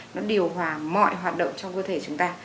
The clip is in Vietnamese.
nó điều hòa mọi hoạt động trong cơ thể chúng ta